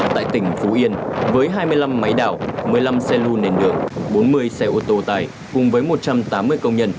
tại tỉnh phú yên với hai mươi năm máy đảo một mươi năm xe lưu nền đường bốn mươi xe ô tô tải cùng với một trăm tám mươi công nhân